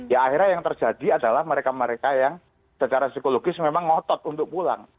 ya akhirnya yang terjadi adalah mereka mereka yang secara psikologis memang ngotot untuk pulang